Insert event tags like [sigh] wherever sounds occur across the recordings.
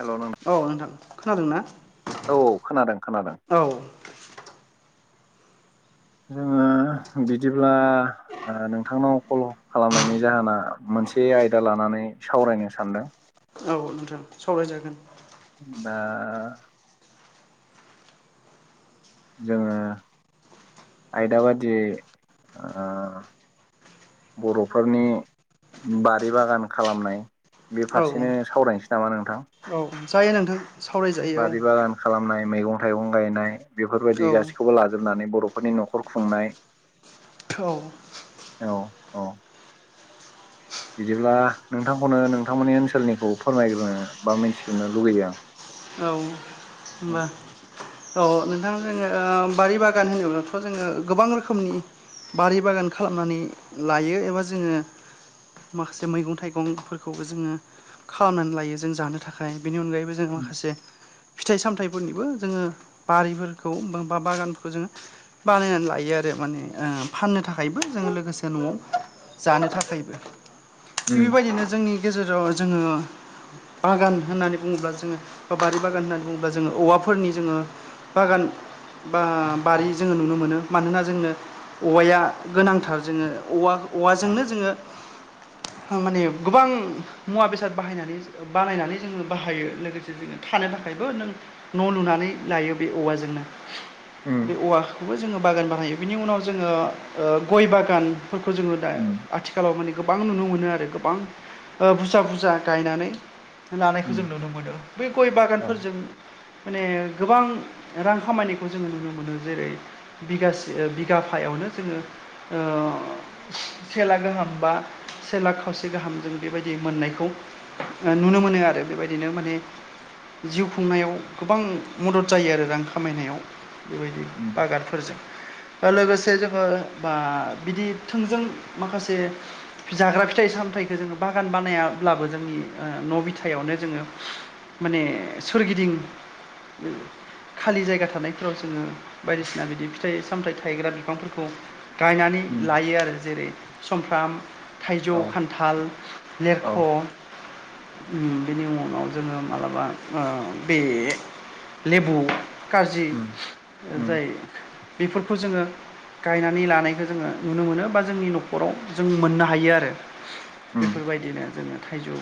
हेल' नोंथां औ नोंथां खोनादों ना औ खोनादों खोनादों औ जोङो बिदिब्ला नोंथांनाव फल' खालामनायनि जाहोना मोनसे आयदा लानानै सावरायनो सानदों औ नोंथां सावरायजागोन दा जोङो आयदा बादि बर'फोरनि बारि बागान खालामनाय बे औ फारसेनो सावरायनोसै नामा नोंथां औ जायो नोंथां सावरायजायो बारि बागान खालामनाय मैगं थाइगं गायनाय औ बेफोरबायदि गासैखौबो लाजोबनानै बर' बर'फोरनि न'खर खुंनाय थ' औ औ बिदिब्ला नोंथांखौनो नोंथांमोननि ओनसोलनिखौ फोरमायग्रोनो बा मिथिग्रोनो लुगैदों आं औ औ होनबा औ नोंथां जोङो बारि बागान होनोब्लाथ' जोङो गोबां रोखोमनि बारि बागान खालामनानै लायो एबा जोङो माखासे मैगं थाइगंफोरखौबो जोङो खालामनानै लायो जों जानो थाखाय बेनि अनगायैबो जों उम माखासे फिथाइ सामथायाइफोरनिबो जोङो बारिफोरखौ ब बा बागानफोरखौ जोङो बानायनानै लायो आरो माने फाननो थाखायबो जों लोगोसे न'आव जानो थाखायबो थिग उम बेबायदिनो जोंनि गेजेराव जोङो बागान होननानै बुङोब्ला जोङो बा बारि बागान होननानै बुङोब्ला जोङो औवाफोरनि जोङो बागान बा बारि जोङो नुनो मोनो मानोना जोंनो औवाया गोनांथार जोङो औवा औवाजोंनो जोङो माने गोबां मुवा बेसाद बाहायनानै बानायनानै जोङो बाहायो लोगोसे थानो थाखायबो नों न' लुनानै लायो बे औवाजोंनो बे औवा खौबो जोङो बागान बानायो बिनि उनाव जोङो गय बागानफोरखौ जोङो दा उम आथिं आथिखालाव माने गोबां नुनो मोनो आरो गोबां बुरजा बुरजा गायनानै लानायखौ जों उम नुनो मोनो बे गय औ बागानफोरजों माने गोबां रां खामानिखौ जोङो नुनो मोनो जेरै बिगासे बिगाफायावनो जोङो सेेला गोाहाम बा से लाख खावसे गाहाम जों बेबायदि मोननायखौ नुनो मोनो आरो बेबायदिनो माने जिउ खुंनायाव गोबां मदद जायो आरो रां खामायनायाव बेबायदि उम बागानफोरजों ा लोगोसे जोंङो बा बिदि थोंजों माखासे जाग्रा फिथाइ सामथायखौ जोङो बागान बानायाब्लाबो जोंनि न' बिथायावनो जोङो माने सोरगिदिं खालि जायगा थानायफोराव जोङो बायदिसिना बिदि फिथाइ सामथायाइ थायग्रा बिफांफोरखौ गायनानै उम लायो आरो जेरै समफ्राम थाइजौ औ खान्थाल औ लेरख' बेनि उननाव जोङो मालाबा ओ बे लेबु गाज्रि उम उम जाय बेफोरखौ जोङो गायनानै लानायखौ जोङो नुनो मोनो बा जोंनि न'खराव जों मोननो हायो आरो उम बेफोरबायदिनो जोङो थाइजौ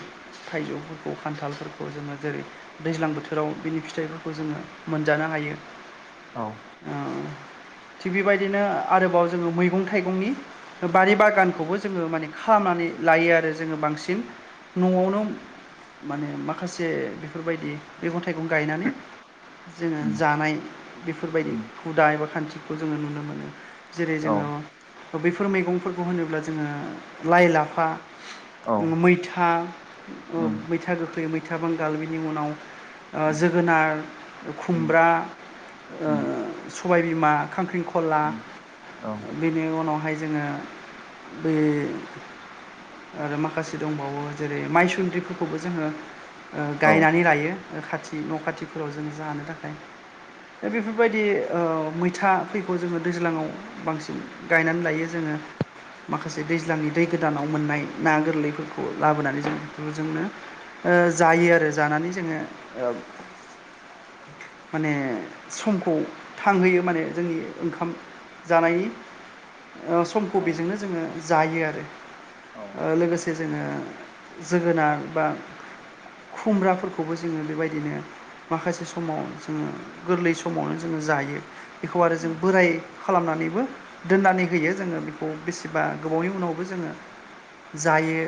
थाइजौफोरखौ खान्थालफोरखौ जोङो जेरै दैज्लां बोथोराव बिनि फिथाइफोरखौ जोङो मोनजानो हायो औ ओ थिग बेबायदिनो आरोबाव जोङो मैगं थाइगंनि बारि बागानखौबो जोङो माने खालामनानै लायो आरो जोङो बांसिन न'आवनो माने माखासे बेफोरबायदि मैगं थाइगं गायनानै जोङो उम जानाय बेफोरबायदि उम हुदा एबा खान्थि खौ जोङो नुनो मोनो जेरै औ जोङो बैफोर मैगंफोरखौ होनोब्ला जोङो लाइ लाफा औ मैथा उम मैथा गोखै मै बिथाबां गालबिनि उनाव ओ उम जोगोनार उम खुमब्रा ओ उम सबायबिमा खांख्रिंखला उम औ बेनि उनावहाय जोङो बे आरो माखासे दंबावो जेरै मायसुन्द्रिफोरखौबो जोङो औ गायनानै लायो खाथि न' खाथिफोराव जों जानो थाखाय दा बेफोरबायदि ओ मैथा फैग जोङो दैज्लाङाव बांसिन गायनानै लायो जोङो माखासे दैज्लांनि दै गोदानाव मोननाय ना गोरलैफोरखौ लाबोनानै जों बे जोंनो जायो आरो जानानै जोङो माने समखौ थांहोयो माने जोंनि ओंखाम जानायनि औ समखौ बेजोंनो जोङो जायो आरो औ लोगोसे जोङो जोगोनार बा खुमब्राफोरखौबो जोङो बेबायदिनो माखासे समाव जोङो गोरलै समावनो जोङो जायो बेखौ आरो जों उम बोराय खालामनानैबो दोननानै होयो जोङो बेखौ बेसेबा गोबावनि उनावबो जोङो जायो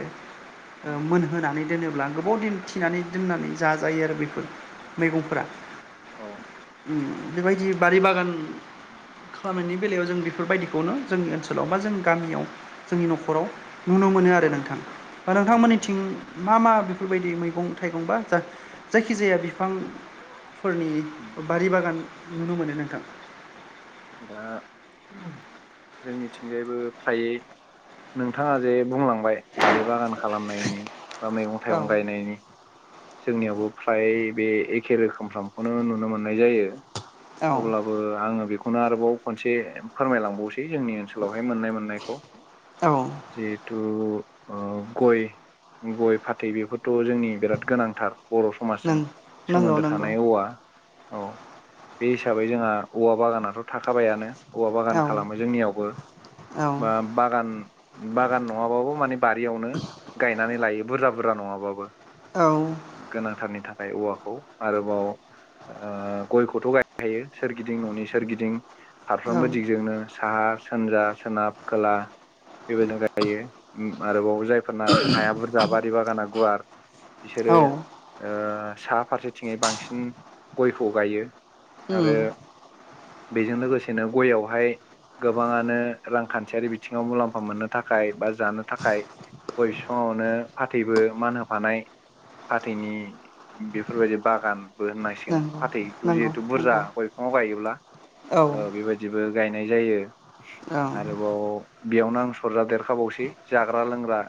उम मोनहोनानै दोनोब्ला गोबाव दिन थिनानै दोननानै जाजायो आरो बेफोर औ मैगंफोरा औ अम बेबायदि बारि बागान खामानि बेलायाव जों बेफोरबायदिखौनो जों ओनसोलाव बा जोंनि गामियाव जोंनि न'खराव नुनो मोनो आरो नोंथां बा उम उम नोंथांमोननिथिं मा मा बेफोरबायदि मैग गं थाइगं बा जायखिजाया बिफां फोरनि उम बारि बागान नुनो मोनो नोंथां दा जोंनिथिंजायबो फ्रायै नोंथाङा जे बुंलांबाय बारि बागान खालामनायनि बा मैगं औ थाइगं गायनायनि जोंनियावबो फ्राय बे एखे रोखोमफ्रामखौनो नुनो मोननाय जायो औ अब्लाब ओ आङो बेखौनो आरोबाव खनसे फोरमायलांबावसै जोंनि ओनसोलावहाय मोननाय मोननायखौ औ जिहेथु ओह गय गय फाथै बेफोरथ' जोंनि बिराद गोनांथार बरफ समाजजों नों नंगौ सोमोन्दो नंगौ थानाय हौवा औ बे हिसाबै जोंहा औवा बागानाथ' थाखाबायानो औवा बागान औ खालामो जोंनियावबो औ बा बागान बागान नङाबाबो माने बारियावनो गायनानै लायो बुरजा बुरजा नङाबाबो औ गोनांथारनि थाखाय औवाखौ आरोबाव ओह गयखौथ' गायखायो सोरगिदिं न'नि सोरगिदिं औ फारफ्रोमबो दिगजोंनो साहा सानजा सोनाब खोला बेबायदिजो गायो उम आरोबाव जायफोरना हाया बुरजा बारि बागाना गुवार बिसोरो औ ओह सा फारसेथिङै बांसिन गयखौ गायो उम आरो बेजों लोगोसेनो गयावहाय गोबाङानो रांखान्थियारि बिथिङाव मुलाम्फा मोननो थाखाय बा जानो थाखाय गय बिफाङावनो फाथैबो मान होफानाय फाथैनि बेफोरबायदि बागानबो होननांसिगोन नंगौ फाथै नंगौ जिहेथु बुरजा नंगौ गय बिफाङाव गायोब्ला औ बेबादिबो गायनाय जायो औ आरोबाव बेयावनो आं सरजा देरखाबावसै जाग्रा लोंग्रा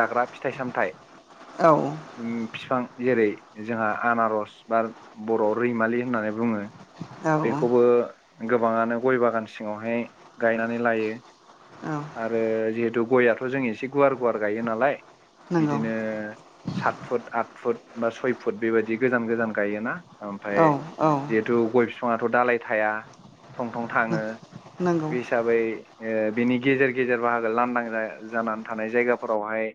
जाग्रा फिथाइ सामथायाइ औ उम बिफां जेरै जोंहा आनारस बा बरयाव रैमालि होननानै बुङो बेखौबो गोबाङानो गय बागान सिङावहाय गायनानै लायो औ आरो जिहेतु गयाथ' जों एसे गुवार गुवार गायो नालाय नंगौ बिदिनो ओ सात फुट आट फुट बा सय फुट बेबादि गोजान गोजान गायोना आमफ्राय औ औ न्थु गय बिफाङाथ' दालाय थाया थं थं थाङो नंगौ बे हिसाबै ओह बिनि गेजेर गेजेर बाहागो लांदां जा जानानै थानाय जायगाफोरावहाय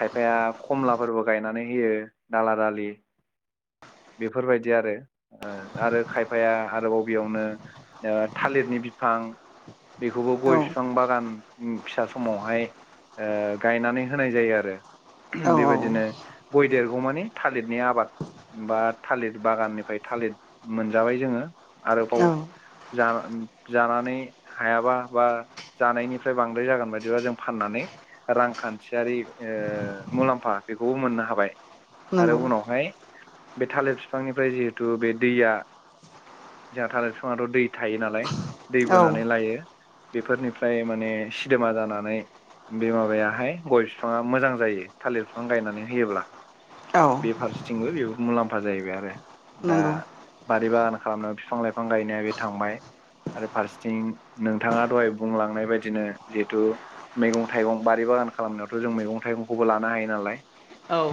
खायफाया खमलाफोरबो गायनानै होयो दाला दालि बेफोरबायदि आरो ओह आरो खायफाया आरोबाव बेयावनो थालिरनि बिफां बेखौबो गय औ बिफां बागान उम फिसा समावहाय ओह गायनानै होनाय जायो आरो औ ऊम बेबायदिनो गय देरगौ मानि थालिरनि आबाद बा थालिर बागाननिफ्राय थालिर मोनजाबाय जोङो औ आरोबाव जा जानानै हायाबा बा जानायनिफ्राय बांद्राय जागोन बायदिबा जों फाननानै रांखान्थियारि ओह मुलाम्फा बेखौबो मोननो हाबाय आरो नंगौ उनावहाय बे थालिर बिफांनिफ्राय जिहेतु बे दैया जोंहा थालिरफ बिाङाथ' दै थायो नालाय दै औ बोनानै लायो बेफोरनिफ्राय माने सिदेोमा जानानै बे माबायाहाय गय बिफाङा मोजां जायो थालिर बिफां गायनानै होयोब्ला औ बेफारसेथिंबो बे मुलाम्फा जाहैबाय आरो दा नंगौ बारि बागान खालामनायाव बिफां लाइफां गायनाया बे थांबाय आरो फारसेथिं नोंथाङा दहाय बुंलांनाय बायदिनो जिहेथु मैगं थाइगं बारि बागान खालामनायावथ' जों मैगं थाइगंखौबो लानो हायो नालाय औ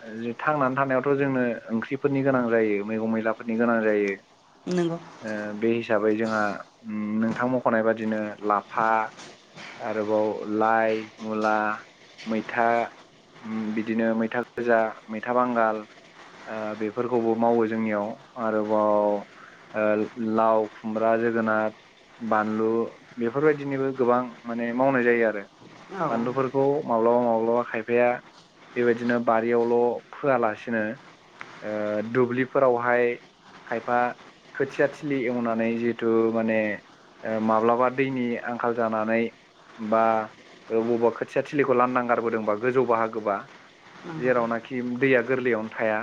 ओ‌ जों थांनानै थानायावथ' जोंनो ओंख्रिफोरनि गोनां जायो मैगं मैलाफोरनि गोनां जायो नोंगौ ओ बे हिसाबै जोंहा उम नोंथां मख'नाय बादिनो लाफा आरोबाव लाइ मुला मैथा उम बिदिनो मैथा गोजा मैथा बांगाल बेफोरखौबो मावो जोंनियाव आरोबाव लाव खुमब्रा जोगोनार बानलु बेफोरबायदिनिबो गोबां माने मावनाय जायो आरो औ बानलु बेखौ माब्लाबा माब्लाबा खायफाया बेबायदिनो बारियावल' फआलासिनो दुब्लिफोरावहाय खायफा खोथिआ थिलि एवनानै जिहेथु माने ओ माब्लाबा दैनि आंखाल जानानै बा ओ बबावबा खोथिया थिलिखौ लानानै गारबोदोंबा गोजौ बाहागोबा नंगौ जेरावनाखि उम दैआ गोरलैआवनो थाया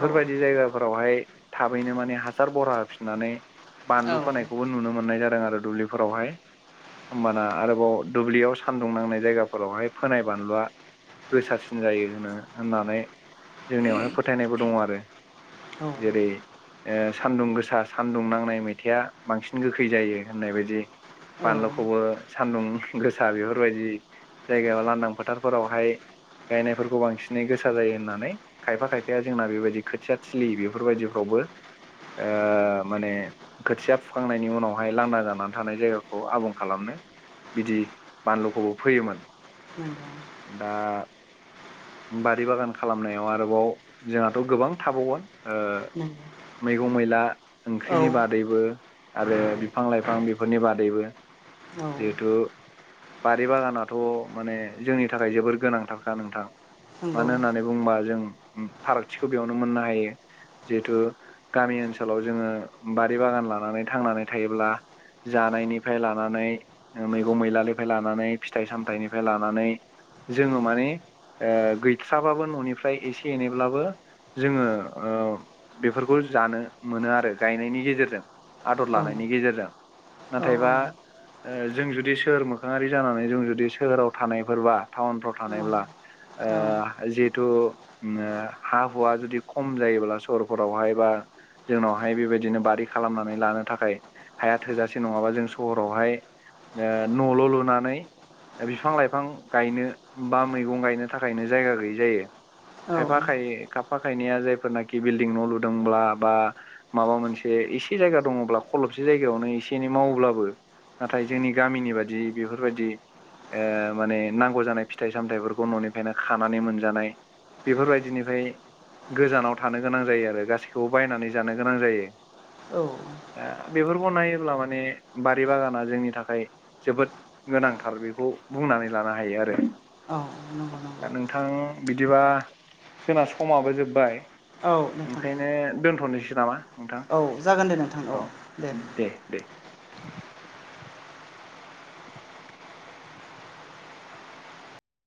औ जायगाफोरावहाय थाबैनो माने हा हासार बरहा होफिननानै औ बानलु फोनायखौबो नुनो मोननाय जादों आरो दुब्लिफोरावहाय होमबाना आरोबाव दुब्लिआव सानदुं नांनाय जायगाफोरावहाय फोनाय बानलुआ गोसासिन जायो होनो होननानै जोंनिआवहाय फोथायनायबो दङो आरो औ जेरै ओ सान्दुं गोसा सान्दुं नांनाय मैथाआ बांसिन गोखै जायो होननाय बायदि औ फानलुखौबो सान्दुं गोसा बेफोरबादि जायगायाव लांदां फोथारफोरावहाय गायनायफोरखौ बांसिनै गोसा जायो होननानै खायफा खायफाआ जोंना बेबादि खोथिया थिलि बेफोरबादिफ्रावबो ओ माने खोथिआ फुखांनायनि उनावहाय लांदा जानानै थानाय जायगाखौ आबुं खालामनो बिदि बानलुखौबो फैयोमोन नंगौ दा बारि बागान खालामनायाव आरोबाव जोंहाथ' गोबां थाबावगोन [inaudible] मैगं मैला औ ओंख्रिनि बादैबो आरो बिफां लाइफां बेफोरनि बादैबो जिहेथु बारि बागानाथ' माने जोंनि थाखाय जोबोर गोनांथारखा नोंथां नंगौ मानो होननानै बुंङोबा जों फारागथिखौ बेआवनो मोननो हायो जिहिथु गामि ओनसोलाव जोङो बारि बागान लानानै थांनानै थायोब्ला जानायनिफ्राय लानानै ओ मैगं मैलानिफ्राय लानानै फिथाइ सामथाइनिफ्राय लानानै जोङो माने ओ गैथ्राबाबो न'निफ्राय एसे एनैब्लाबो जोङो ओ‌ बेफोरखौ जानो मोनो आरो गायनायनि गेजेरजों आदर औ लानायनि गेजेरजों औ नाथायबा ओ जों जुदि सोहोर मोखांआरि जानानै जों जुदि सोहोराव थानायफोरबा टाउनफ्राव थानायब्ला औ ओ जिहेथु उम हा हुआ जुदि खम जायोब्ला सहोरफोरावहाय बा जोंनावहाय बेबायदिनो बारि खालामनानै लानो थाखाय हाया थोजासे नङाबा जों सहरावहाय ओ न'ल' लुनानै बिफां लाइफां गायनो बा मैगं गायनो थाखायनो जायगा गैयै जायो खायफा खाय खायफा खायनैआ जायफोरनाखि बिल्डिं न' लुदोंब्ला बा माबा मोनसे एसे जायगा दङोब्ला खलबसे जायगायावनो एसे एनै मावोब्लाबो नाथाय जोंनि गामिनि बादि बेफोरबादि ओ माने नांगौ जानाय फिथाइ सामथायाइफोरखौ न'निफ्रायनो खानानै मोनजानाय बेफोरबादिनिफाय गोजानाव थानो गोनां जायो आरो गासैबो गासिखौबो बायनानै जानो गोनां जायो औ दा बेफोरखौ नायोब्ला माने बारि बागाना जोंनि थाखाय जोबोद गोनांथार बेखौ बुंनानै लानो हायो आरो औ नंगौ नंगौ दा नोंथां बिदिबा जोंना समाबो जोब्बाय औ नोंथां ओंखायनो दोनथ'नोसै नामा नोंथां औ जागोन दे नोंथां औ दे